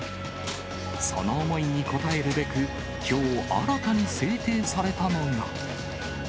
その思いに応えるべく、きょう、新たに制定されたのが。